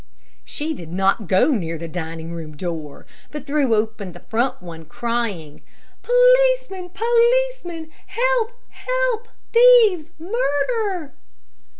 She did not go near the dining room door, but threw open the front one, crying, "Policeman! Policeman! help, help, thieves, murder!"